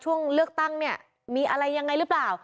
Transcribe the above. ช่วงเลือกตั้งเนี่ยมีอะไรยังไงหรือเปล่า